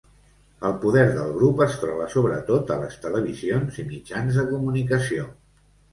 El poder del grup es troba sobretot a les televisions i mitjans de comunicació.